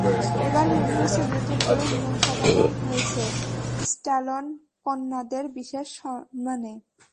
এবার মনে হচ্ছে নতুন করে নিয়ম সাজানো হয়েছে স্ট্যালন কন্যাদের বিশেষ সম্মানে।